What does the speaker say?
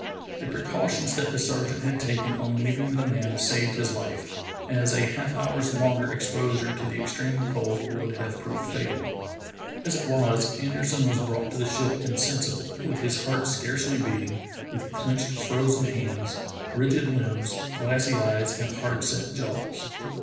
The precautions that the sergeant had taken on leaving the man saved his life, as a half hour's longer exposure to the extreme cold would have proved fatal. As it was, Anderson was brought to the ship insensible, with his heart scarcely beating, with clinched, frozen hands, rigid limbs, glassy eyes, and hard set jaws.